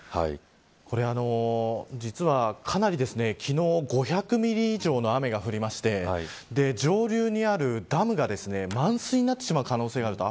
これ実はかなり昨日５００ミリ以上の雨が降りまして上流にあるダムが満水になってしまう可能性があると。